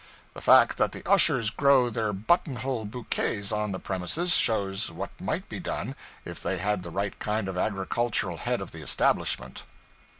The fact that the ushers grow their buttonhole bouquets on the premises shows what might be done if they had the right kind of an agricultural head to the establishment.